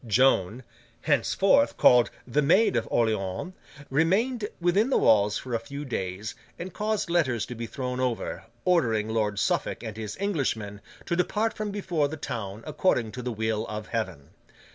Joan, henceforth called The Maid of Orleans, remained within the walls for a few days, and caused letters to be thrown over, ordering Lord Suffolk and his Englishmen to depart from before the town according to the will of Heaven.